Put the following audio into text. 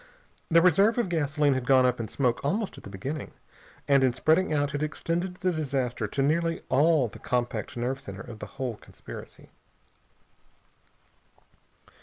The reserve of gasoline had gone up in smoke almost at the beginning, and in spreading out had extended the disaster to nearly all the compact nerve center of the whole conspiracy.